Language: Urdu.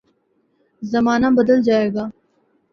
زمانہ بدل جائے گا۔